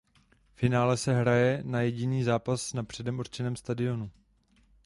Finále se hraje na jediný zápas na předem určeném stadionu.